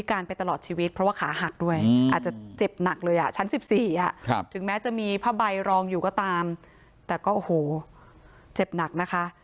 ก็จะไปตลอดชีวิตเพราะว่าขาหักด้วยอาจจะเจ็บหนักเลยอ่ะชั้นสิบสี่อ่ะครับถึงแม้จะมีพระใบรองอยู่ก็ตามแต่ก็โอ้โหเจ็บหนักนะคะ